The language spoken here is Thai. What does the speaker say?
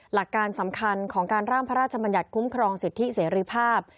หลักการสำคัญของการร่างพระราชบัญญัติคุ้มครองสิทธิเสรีภาพ